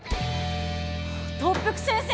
特服先生！